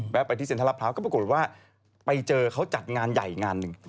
ไปที่เซ็นทรพร้าวก็ปรากฏว่าไปเจอเขาจัดงานใหญ่งานหนึ่ง